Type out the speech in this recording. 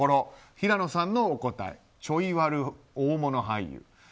平野さんのお答えちょいワル大物俳優。